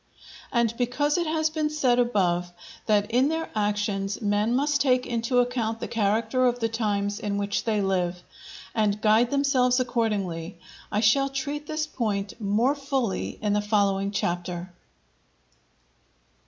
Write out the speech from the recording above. And because it has been said above, that in their actions men must take into account the character of the times in which they live, and guide themselves accordingly, I shall treat this point more fully in the following Chapter.